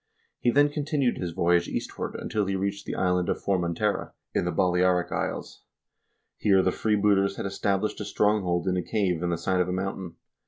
He then continued his voyage eastward till he reached the Island of Formentera, in the Balearic Isles. Here the freebooters had established a stronghold in a cave in the side of a mountain.